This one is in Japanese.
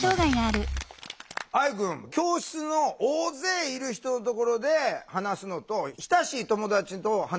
愛くん教室の大勢いる人のところで話すのと親しい友達と話するのと違う？